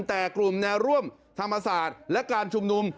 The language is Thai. แต่กลุ่มแนวร่วมธรรมศาสตร์และการชุมนุม